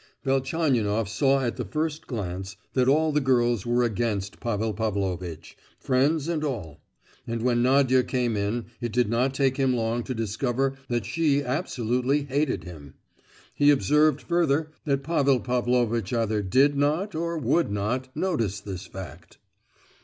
Velchaninoff saw at the first glance that all the girls were against Pavel Pavlovitch, friends and all; and when Nadia came in, it did not take him long to discover that she absolutely hated him. He observed, further, that Pavel Pavlovitch either did not, or would not, notice this fact.